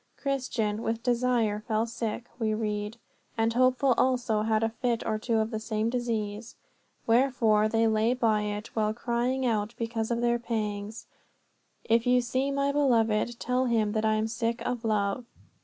"Christian with desire fell sick," we read, "and Hopeful also had a fit or two of the same disease. Wherefore here they lay by it a while, crying out because of their pangs, If you see my beloved, tell him that I am sick of love."